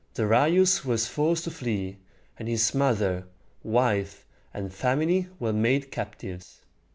Darius was forced to flee, and his mother, wife, and family were made captives.